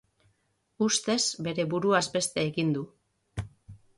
Ustez bere buruaz beste egin du.